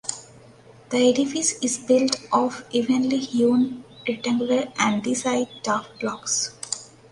The edifice is built of evenly hewn rectangular andesite tuff blocks.